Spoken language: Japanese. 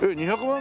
２００万